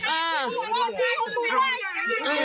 อ้าว